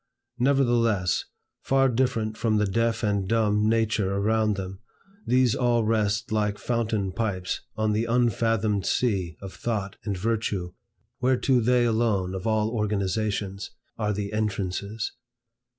Nevertheless, far different from the deaf and dumb nature around them, these all rest like fountain pipes on the unfathomed sea of thought and virtue whereto they alone, of all organizations, are the entrances.